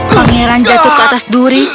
pangeran jatuh ke atas duri